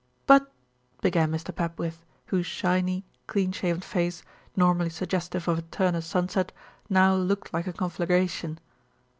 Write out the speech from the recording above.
"But " began Mr. Papwith, whose shiny cleanshaven face, normally suggestive of a Turner sunset, now looked like a conflagration.